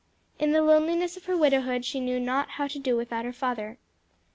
In the loneliness of her widowhood she knew not how to do without her father.